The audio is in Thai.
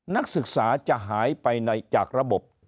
นักศึกษาจะหายไปจากระบบ